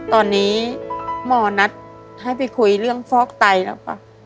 ตอนนี้หมอนัดให้ไปคุยเรื่องฟอกไตแล้วป่ะ